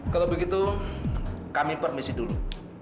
kalau begitu kami permisi dulu